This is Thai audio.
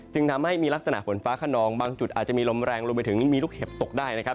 จึงทำให้มีลักษณะฝนฟ้าขนองบางจุดอาจจะมีลมแรงรวมไปถึงมีลูกเห็บตกได้นะครับ